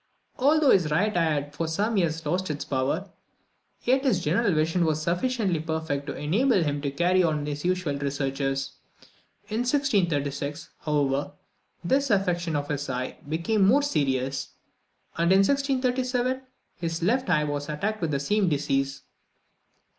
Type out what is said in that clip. Although his right eye had for some years lost its power, yet his general vision was sufficiently perfect to enable him to carry on his usual researches. In 1636, however, this affection of his eye became more serious; and, in 1637, his left eye was attacked with the same disease.